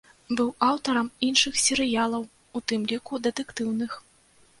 Быў аўтарам іншых серыялаў, у тым ліку дэтэктыўных.